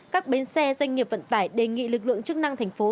các bến xe doanh nghiệp vận tải đề nghị lực lượng chức năng thành phố